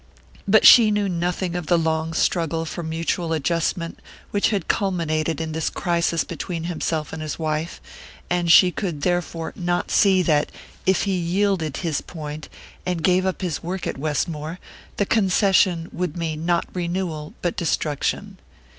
But she knew nothing of the long struggle for mutual adjustment which had culminated in this crisis between himself and his wife, and she could therefore not see that, if he yielded his point, and gave up his work at Westmore, the concession would mean not renewal but destruction.